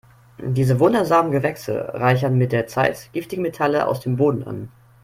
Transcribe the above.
Diese wundersamen Gewächse reichern mit der Zeit giftige Metalle aus dem Boden an.